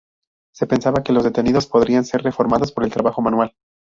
Se pensaba que los detenidos podrían ser reformados por el trabajo manual.